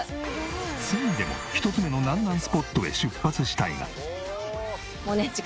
すぐにでも１つ目のなんなんスポットへ出発したいが。